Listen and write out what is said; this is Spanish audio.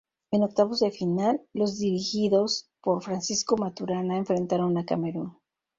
En octavos de final, los dirigidos por Francisco Maturana enfrentaron a Camerún.